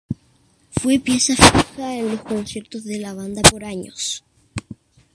Fue pieza fija en los conciertos de la banda por años.